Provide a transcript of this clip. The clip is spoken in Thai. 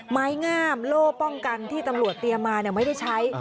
ไม้งามโล่ป้องกันที่ตำรวจเตรียมมาไม่ได้ใช้